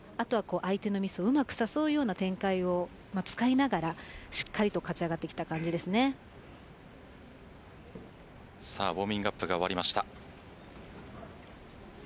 相手のミスをうまく誘うような展開を使いながらしっかりとウオーミングアップが終わりました。